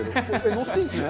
のせていいんですね？